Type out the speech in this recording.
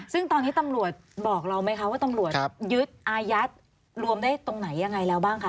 ซึ่งตอนนี้ตำรวจบอกเราไหมคะว่าตำรวจยึดอายัดรวมได้ตรงไหนยังไงแล้วบ้างคะ